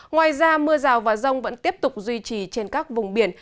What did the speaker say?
ngoài ra mưa rào và rông vẫn tiếp tục duy trì trên các vùng biển